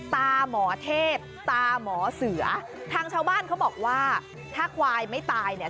ตาหมอเทพตาหมอเสือทางชาวบ้านเขาบอกว่าถ้าควายไม่ตายเนี่ย